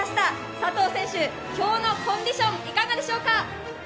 佐藤選手、今日のコンディションいかがでしょうか？